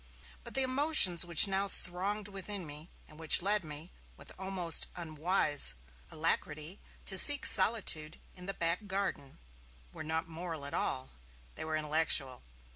But the emotions which now thronged within me, and which led me, with an almost unwise alacrity, to seek solitude in the back garden, were not moral at all, they were intellectual.